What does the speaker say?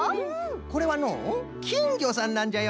これはのうきんぎょさんなんじゃよ。